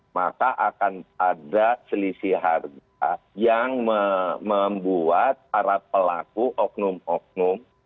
maka akan ada selisih harga yang membuat para pelaku oknum oknum